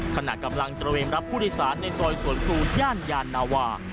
ขณะกำลังตระเวนรับผู้โดยสารในซอยสวนครูย่านยานนาวา